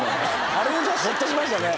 あれでホッとしましたね。